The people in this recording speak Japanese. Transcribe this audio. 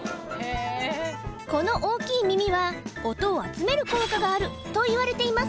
この大きい耳は音を集める効果があるといわれています